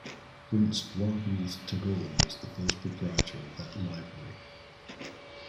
Prince Dwarkanath Tagore was the first proprietor of that Library.